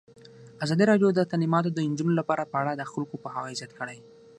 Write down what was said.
ازادي راډیو د تعلیمات د نجونو لپاره په اړه د خلکو پوهاوی زیات کړی.